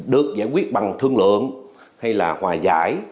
được giải quyết bằng thương lượng hay là hòa giải